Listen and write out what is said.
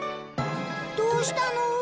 どうしたの？